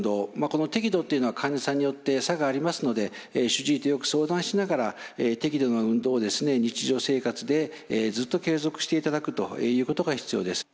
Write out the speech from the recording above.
この適度っていうのは患者さんによって差がありますので主治医とよく相談しながら適度な運動を日常生活でずっと継続していただくということが必要です。